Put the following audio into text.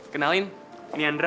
kenalin ini andra